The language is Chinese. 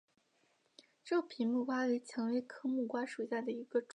皱皮木瓜为蔷薇科木瓜属下的一个种。